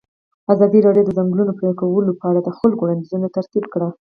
ازادي راډیو د د ځنګلونو پرېکول په اړه د خلکو وړاندیزونه ترتیب کړي.